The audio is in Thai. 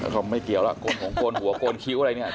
ก็ไม่เกี่ยวล่ะกลมมงค์โกนหัวกลมมงค์ได้เงียบอะไร